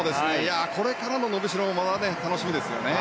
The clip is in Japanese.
これからの伸びしろも楽しみですよね。